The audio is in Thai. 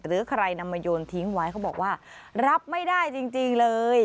หรือใครนำมาโยนทิ้งไว้เขาบอกว่ารับไม่ได้จริงเลย